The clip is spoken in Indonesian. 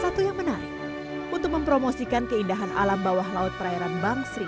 satu yang menarik untuk mempromosikan keindahan alam bawah laut perairan bang sri